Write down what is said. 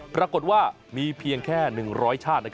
ปรากฏว่ามีเพียงแค่๑๐๐ชาติ